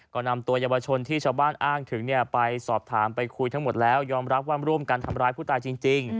ก็นำตัวเยาวชนที่ชาวบ้านอ้างถึงไปสอบถามไปคุยทั้งหมดแล้วยอมรับว่าร่วมกันทำร้ายผู้ตายจริง